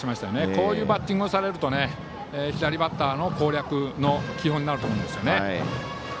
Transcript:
こういうバッティングをされると左バッターの攻略の基本になると思うんですね。